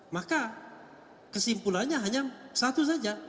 maka kesimpulannya hanya satu saja